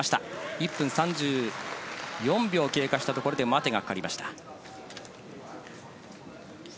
１分３４秒経過したところで待てが入りました。